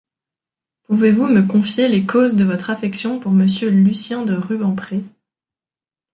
Pouvez-vous me confier les causes de votre affection pour monsieur Lucien de Rubempré...